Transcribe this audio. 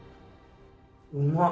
うまっ！